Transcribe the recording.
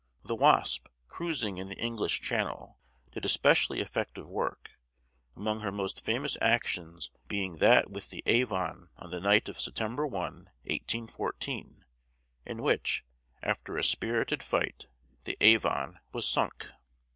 The Wasp, cruising in the English Channel, did especially effective work, among her most famous actions being that with the Avon on the night of September 1, 1814, in which, after a spirited fight, the Avon was sunk.